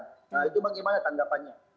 nah itu bagaimana tanggapannya